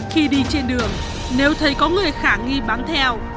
khi đi trên đường nếu thấy có người khả nghi bám theo